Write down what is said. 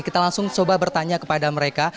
kita langsung coba bertanya kepada mereka